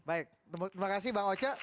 baik terima kasih bang oce